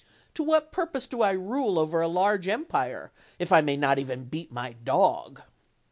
To what purpose do I rule over a large empire, if I may not even beat my dog?"